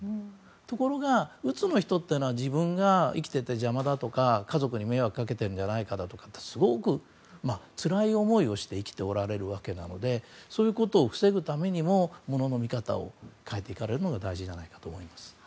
ところが、うつの人というのは自分が生きていて邪魔だとか家族に迷惑かけてるんじゃないかとかすごくつらい思いをして生きておられるのでそういうことを防ぐためにも物の見方を変えていくのが大事なんだと思います。